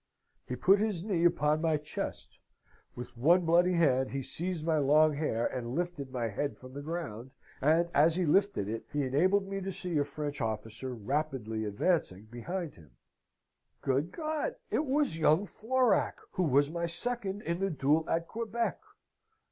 "He put his knee upon my chest: with one bloody hand he seized my long hair and lifted my head from the ground, and as he lifted it, he enabled me to see a French officer rapidly advancing behind him. "Good God! It was young Florac, who was my second in the duel at Quebec.